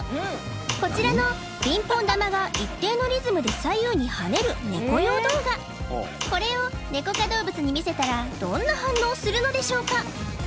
こちらのピンポン球が一定のリズムで左右に跳ねるネコ用動画これをネコ科動物に見せたらどんな反応をするのでしょうか？